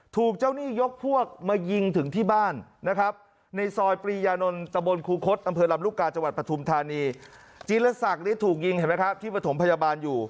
ถูกเจ้านี่ยกพวกมายิงถึงที่บ้านนะครับ